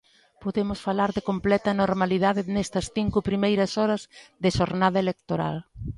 Podemos falar de completa normalidade nestas cinco primeiras horas de xornada electoral.